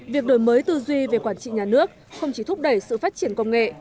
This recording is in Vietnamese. việc đổi mới tư duy về quản trị nhà nước không chỉ thúc đẩy sự phát triển công nghệ